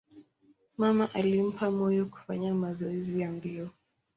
Mama alimpa moyo kufanya mazoezi ya mbio.